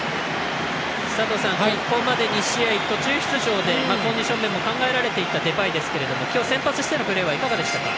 佐藤さん、ここまで２試合途中出場でコンディション面も考えられていたデパイですけども今日、先発してのプレーはいかがでしたか？